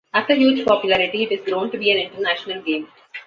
After huge popularity it has grown to be an international game.